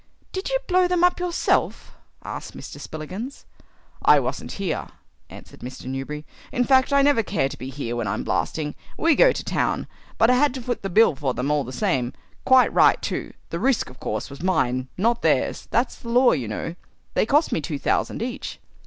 "Did you blow them up yourself?" asked Mr. Spillikins. "I wasn't here," answered Mr. Newberry. "In fact, I never care to be here when I'm blasting. We go to town. But I had to foot the bill for them all the same. Quite right, too. The risk, of course, was mine, not theirs; that's the law, you know. They cost me two thousand each."